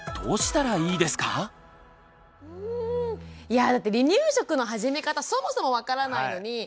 いやぁだって離乳食の始め方そもそも分からないのに。